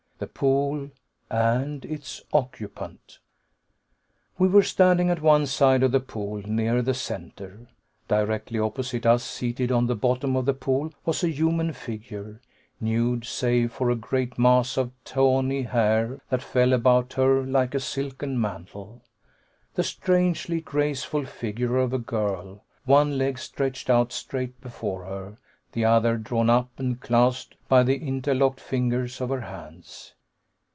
The pool and its occupant. We were standing at one side of the pool, near the center. Directly opposite us, seated on the bottom of the pool, was a human figure, nude save for a great mass of tawny hair that fell about her like a silken mantle. The strangely graceful figure of a girl, one leg stretched out straight before her, the other drawn up and clasped by the interlocked fingers of her hands.